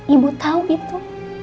ibu tau itu